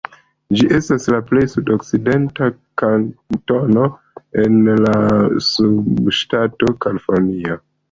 Ĝi estas la plej sudokcidenta kantono en la subŝtato Kalifornio.